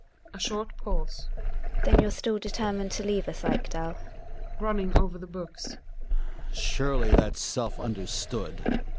A short pause. GiNA. Then you're still determined to leave us, Ekdal ? Hjalmar {running over the books). Surely that's self understood.